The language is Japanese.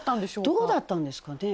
どうだったんですかね？